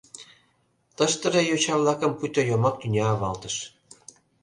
Тыштыже йоча-влакым пуйто йомак тӱня авалтыш.